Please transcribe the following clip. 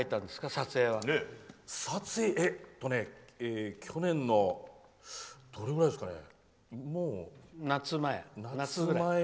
撮影は去年の夏前くらいですかね。